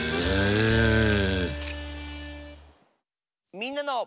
「みんなの」。